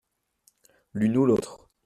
L’une ou l’autre.